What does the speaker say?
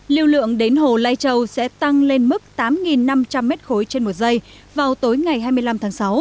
lưu lượng đến hồ lai châu sẽ tăng lên mức tám năm trăm linh m ba trên một giây vào tối ngày hai mươi năm tháng sáu